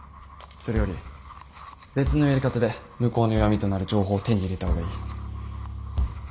それより別のやり方で向こうの弱みとなる情報を手に入れた方がいい。